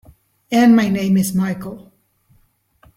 And my name's Michael.